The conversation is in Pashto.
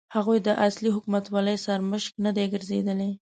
هغوی د اصلي حکومتولۍ سرمشق نه دي ګرځېدلي.